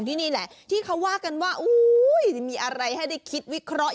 นี่แหละที่เขาว่ากันว่าจะมีอะไรให้ได้คิดวิเคราะห์